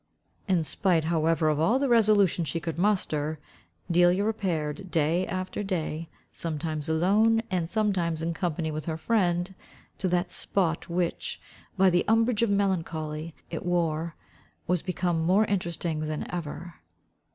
In spite however of all the resolution she could muster, Delia repaired day after day, sometimes alone, and sometimes in company with her friend, to that spot which, by the umbrage of melancholy it wore, was become more interesting than ever.